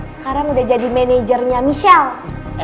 sekarang udah jadi manajernya michelle